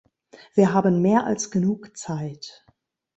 Wir haben mehr als genug Zeit.